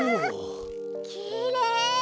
きれい！